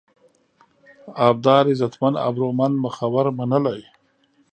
ابدار: عزتمن، ابرومند ، مخور، منلی